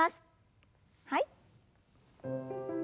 はい。